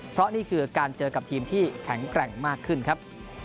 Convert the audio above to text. เพราะนี่คือการเจอกับทีมที่แข็งแกร่งมากขึ้นครับ